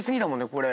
これ。